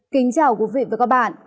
kính chào quý vị và các bạn